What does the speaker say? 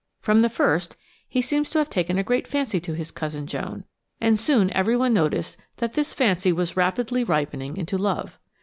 From the first he seems to have taken a great fancy to his cousin Joan, and soon everyone noticed that this fancy was rapidly ripening into love.